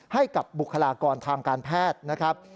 ให้กับบุคลากรทางการแพทย์นะครับ